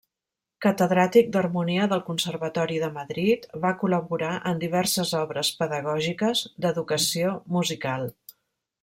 Catedràtic d'harmonia del Conservatori de Madrid, va col·laborar en diverses obres pedagògiques d'educació musical.